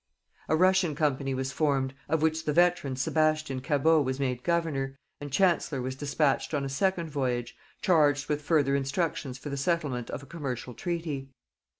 A Russia company was formed, of which the veteran Sebastian Cabot was made governor, and Chancellor was dispatched on a second voyage, charged with further instructions for the settlement of a commercial treaty.